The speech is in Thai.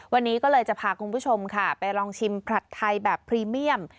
วันนี้ก็เลยจะพาคุณผู้ชมค่ะไปลองชิมผัดไทยแบบพรีเมียม